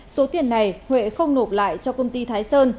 số tiền này huệ không nộp lại cho công ty thái sơn